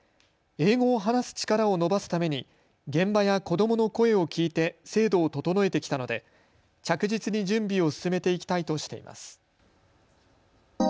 英語を話す力を伸ばすために現場や子どもの声を聞いて制度を整えてきたので着実に準備を進めていきたいとしています。